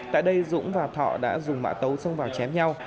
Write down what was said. tại đây dũng và thọ đã dùng mã tấu xông vào chém nhau